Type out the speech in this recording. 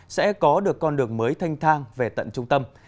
sẽ có được con đường mới thanh thang về tận trung tâm